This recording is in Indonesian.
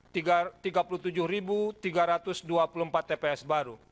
tiga puluh tujuh tiga ratus dua puluh empat tps baru